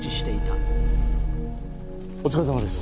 お疲れさまです。